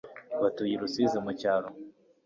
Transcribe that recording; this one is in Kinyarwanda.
batuye i rusizi mu cyaro